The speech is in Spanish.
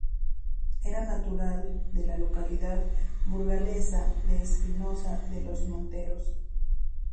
Era natural de la localidad burgalesa de Espinosa de los Monteros.